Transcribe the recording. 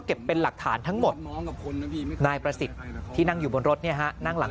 เป็นหลักฐานทั้งหมดนายประสิทธิ์ที่นั่งอยู่บนรถเนี่ยฮะนั่งหลัง